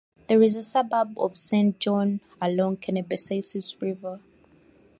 It is a suburb of Saint John along the Kennebecasis River.